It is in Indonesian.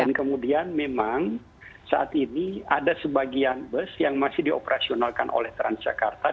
dan kemudian memang saat ini ada sebagian bus yang masih dioperasionalkan oleh transjakarta